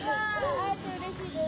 会えてうれしいです！